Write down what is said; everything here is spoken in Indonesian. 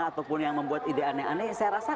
ataupun yang membuat ide aneh aneh saya rasa